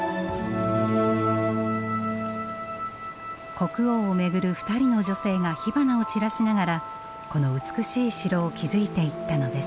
国王を巡る２人の女性が火花を散らしながらこの美しい城を築いていったのです。